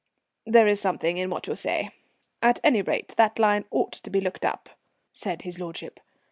"There's something in what you say. At any rate that line ought to be looked up," said his lordship.